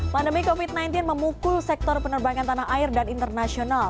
pandemi covid sembilan belas memukul sektor penerbangan tanah air dan internasional